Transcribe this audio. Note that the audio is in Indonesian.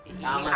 iya pak patar